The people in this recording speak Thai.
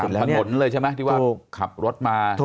ถนนเลยใช่ไหมที่ว่าขับรถมา